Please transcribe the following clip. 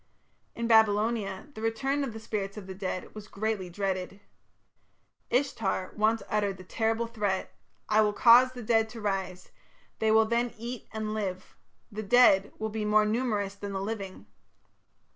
In Babylonia the return of the spirits of the dead was greatly dreaded. Ishtar once uttered the terrible threat: "I will cause the dead to rise; they will then eat and live. The dead will be more numerous than the living."